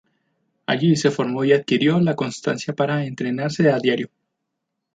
Allí se formó y adquirió la constancia para entrenarse a diario.